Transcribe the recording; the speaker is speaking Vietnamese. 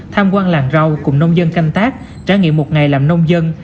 tham quan làng rau cùng nông dân canh tác trải nghiệm một ngày làm nông dân